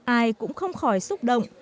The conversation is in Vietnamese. ai cũng không khỏi xúc động